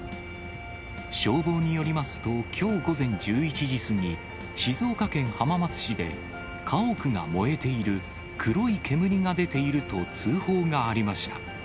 消防によりますと、きょう午前１１時過ぎ、静岡県浜松市で、家屋が燃えている、黒い煙が出ていると通報がありました。